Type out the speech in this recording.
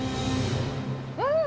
うん！